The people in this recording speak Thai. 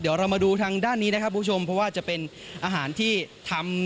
เดี๋ยวเรามาดูทางด้านนี้นะครับคุณผู้ชมเพราะว่าจะเป็นอาหารที่ทำ